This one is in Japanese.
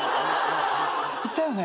いたよね？